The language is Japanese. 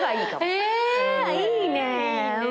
へえいいね。